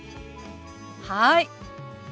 はい。